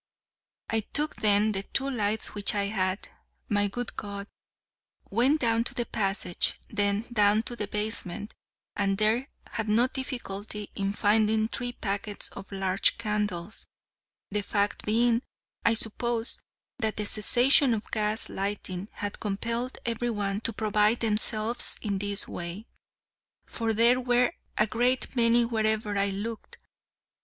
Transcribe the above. I took then the two lights which I had, my good God; went down to the passage; then down to the basement; and there had no difficulty in finding three packets of large candles, the fact being, I suppose, that the cessation of gas lighting had compelled everyone to provide themselves in this way, for there were a great many wherever I looked.